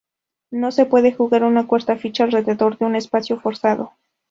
No se puede jugar una cuarta ficha alrededor de un espacio forzado.